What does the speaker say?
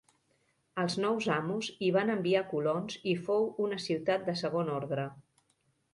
Els nous amos hi van enviar colons i fou una ciutat de segon ordre.